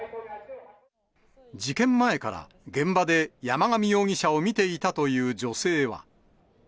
事件前から、現場で山上容疑者を見ていたという女性は。